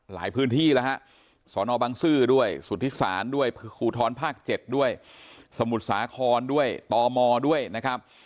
พื้นที่แล้วฮะสอนอบังซื้อด้วยสุทธิศาลด้วยภูทรภาค๗ด้วยสมุทรสาครด้วยตมด้วยนะครับ